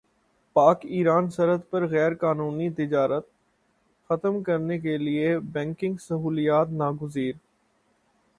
پاک ایران سرحد پر غیرقانونی تجارت ختم کرنے کیلئے بینکنگ سہولیات ناگزیر